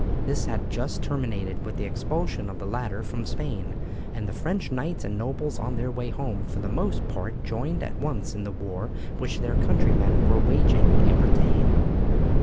This had just terminated with the expulsion of the latter from Spain, and the French knights and nobles on their way home for the most part joined at once in the war which their countrymen were waging in Bretagne.